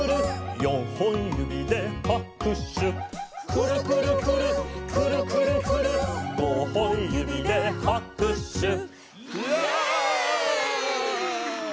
「よんほんゆびではくしゅ」「くるくるくるっくるくるくるっ」「ごほんゆびではくしゅ」イエイ！